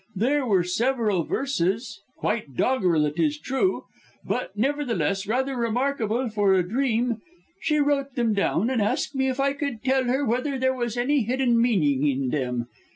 There were several verses quite doggerel it is true but nevertheless rather remarkable for a dream. She wrote them down, and asked me if I could tell her whether there was any hidden meaning in them.